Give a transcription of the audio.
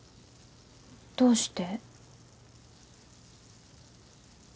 どうして？